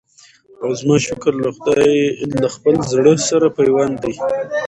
او زما شکر له خپل زړه سره پیوند دی